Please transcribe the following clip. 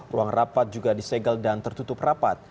ruang rapat juga disegel dan tertutup rapat